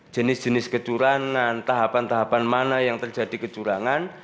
jenis jenis kecurangan tahapan tahapan mana yang terjadi kecurangan